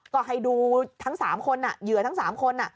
ก็ให้ดูทั้ง๓คนเหยื่อทั้ง๓คน